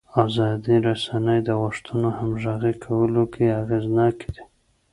ازادې رسنۍ د غوښتنو همغږي کولو کې اغېزناکې دي.